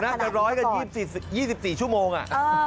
นักการร้อยก็๒๔ชั่วโมงอ่ะเออนักการร้อยก็๒๔ชั่วโมงอ่ะ